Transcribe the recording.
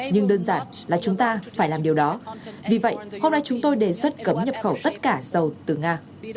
nhưng đơn giản là chúng ta phải làm điều đó vì vậy hôm nay chúng tôi đề xuất cấm nhập khẩu tất cả dầu từ nga